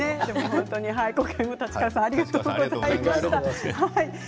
今回も立川さんありがとうございました。